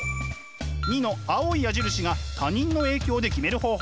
２の青い矢印が他人の影響で決める方法。